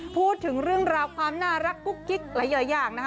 พูดถึงเรื่องราวความน่ารักกุ๊กกิ๊กหลายอย่างนะคะ